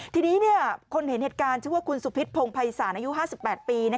ทีนี้คนเห็นเหตุการณ์ชื่อว่าคุณสุพิษพงภัยศาลอายุ๕๘ปี